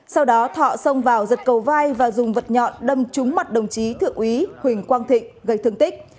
sau đó thọ xông vào giật cầu vai và dùng vật nhọn đâm trúng mặt đồng chí thượng úy huỳnh quang thịnh gây thương tích